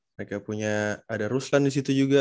mereka punya ada ruslan disitu juga